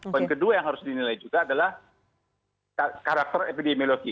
poin kedua yang harus dinilai juga adalah karakter epidemiologi